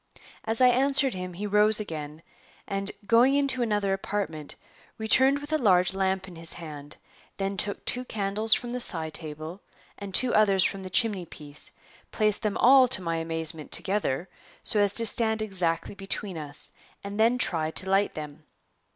As I answered him he rose again, and, going into another apartment, returned with a large lamp in his hand; then took two candles from the side table, and two others from the chimney piece; placed them all, to my amazement, together, so as to stand exactly between us, and then tried to light them.